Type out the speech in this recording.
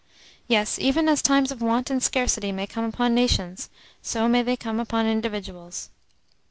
Yes, even as times of want and scarcity may come upon nations, so may they come upon individuals.